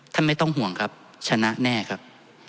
ไม่ต้องห่วงครับชนะแน่ครับ